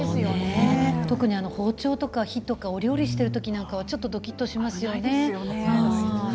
特に包丁や火とかお料理する時はちょっとどきっとしますよね。